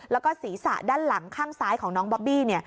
แล้วก็ศีรษะด้านหลังข้างซ้ายของน้องบอบบี้